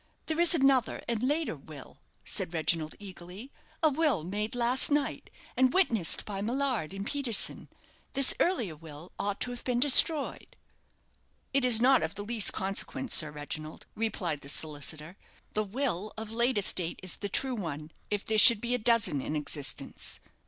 "There is another and a later will," said Reginald, eagerly; "a will made last night, and witnessed by Millard and Peterson. This earlier will ought to have been destroyed." "It is not of the least consequence, Sir Reginald," replied the solicitor. "The will of latest date is the true one, if there should be a dozen in existence."